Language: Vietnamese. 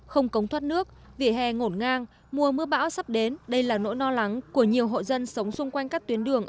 không cống thoát nước vỉa hè ngổn ngang mùa mưa bão sắp đến đây là nỗi lo lắng của nhiều hộ dân sống xung quanh các tuyến đường